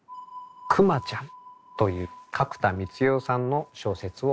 「くまちゃん」という角田光代さんの小説をお持ちしました。